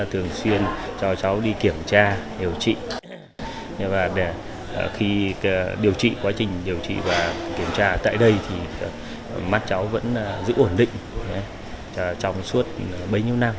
thường xuyên cho cháu đi kiểm tra điều trị khi điều trị quá trình điều trị và kiểm tra tại đây thì mắt cháu vẫn giữ ổn định trong suốt bấy nhiêu năm